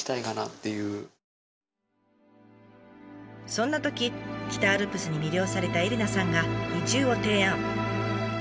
そんなとき北アルプスに魅了された恵里奈さんが移住を提案。